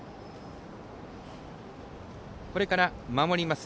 これから守ります